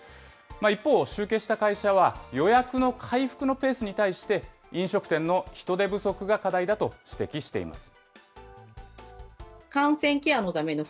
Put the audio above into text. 一方、集計した会社は、予約の回復のペースに対して、飲食店の人手不足が課題だと指摘しています。